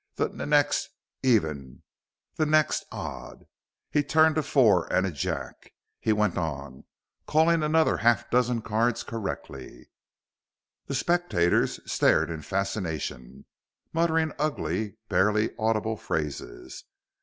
"The n next, even ... the next, odd." He turned a four and a jack. He went on, calling another half dozen cards correctly. The spectators stared in fascination, muttering ugly, barely audible phrases.